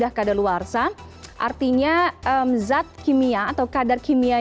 hasil dari tim pencari fakta